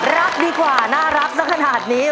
รักดีกว่าน่ารักสักขนาดนี้